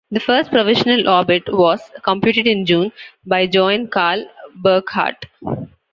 The first provisional orbit was computed in June by Johann Karl Burckhardt.